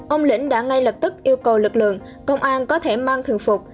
ông lĩnh đã ngay lập tức yêu cầu lực lượng công an có thể mang thường phục